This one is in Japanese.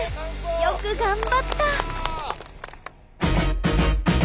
よく頑張った。